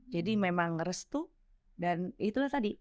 jadi memang restu dan itulah tadi